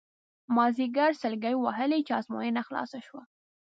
مازیګر سلګۍ وهلې چې ازموینه خلاصه شوه.